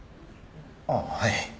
ああはい。